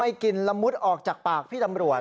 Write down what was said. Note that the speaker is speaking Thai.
กินละมุดออกจากปากพี่ตำรวจ